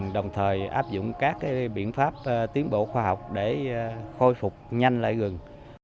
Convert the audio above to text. đồng thời áp dụng các biện pháp tiến bộ khoa học để khôi phục nhanh lại rừng